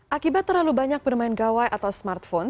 akibat terlalu banyak bermain gawai atau smartphone